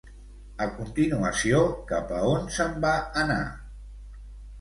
A continuació, cap a on se'n va anar?